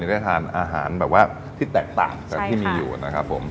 ได้ทานอาหารแบบว่าที่แตกต่างจากที่มีอยู่นะครับผม